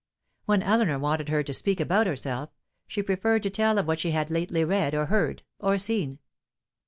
When Eleanor wanted her to speak about herself, she preferred to tell of what she had lately read or heard or seen.